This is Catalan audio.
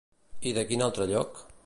I de quin altre lloc?